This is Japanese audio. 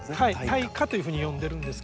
帯化というふうに呼んでるんですけど。